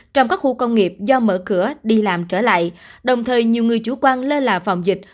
trong các khu công nghiệp do mở cửa đi làm trở lại đồng thời nhiều người chủ quan lơ là phòng dịch